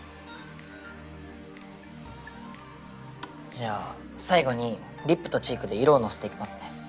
じゃあ最後にリップとチークで色をのせていきますね。